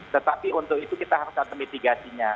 tetapi untuk itu kita harus ada mitigasinya